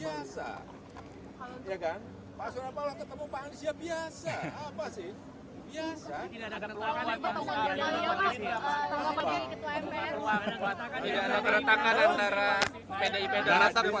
bagaimana bung mega dengan pak prabowo